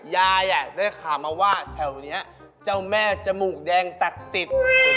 ยายได้ข่าวมาว่าแถวนี้เจ้าแม่จมูกแดงศักดิ์สิทธิ์